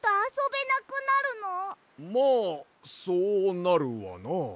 まあそうなるわな。